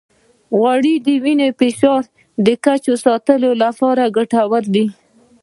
غوړې د وینې د فشار د کچې ساتلو لپاره ګټورې دي.